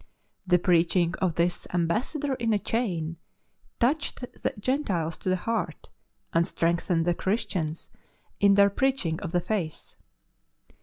The preaching of this "ambassador in a chain " touched the Gentiles to the heart, and strengthened the Christians in their 120 LIFE OF ST. PAUL preaching of the Faith.